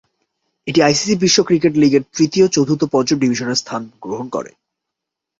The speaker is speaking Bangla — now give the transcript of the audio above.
এটি আইসিসি বিশ্ব ক্রিকেট লীগের তৃতীয়, চতুর্থ, পঞ্চম ডিভিশনের স্থান গ্রহণ করে।